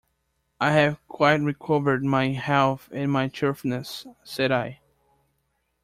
"I have quite recovered my health and my cheerfulness," said I.